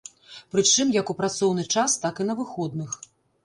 Прычым, як у працоўны час, так і на выходных.